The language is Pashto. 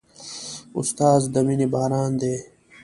استاد د مینې باران دی.